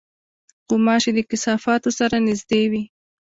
غوماشې د کثافاتو سره نزدې وي.